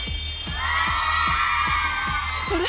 あれ？